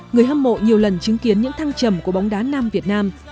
người hâm mộ nhiều lần chứng kiến những thăng trầm của bóng đá nam việt nam